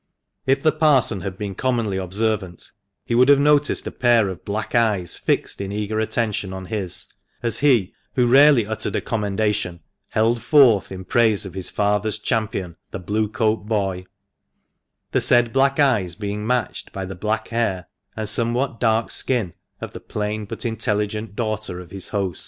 " If the parson had been commonly observant he would have noticed a pair of black eyes fixed in eager attention on his, as he, who rarely uttered a commendation, held forth in praise of his father's champion, the Blue coat boy; the said black eyes being matched by the black hair, and somewhat dark skin, of the plain but intelligent daughter of his host.